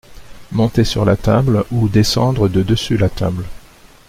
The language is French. Monter sur la table ou descendre de dessus la table.